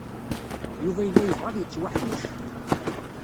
Yuba yella yebɣa ad yettwaḥmec.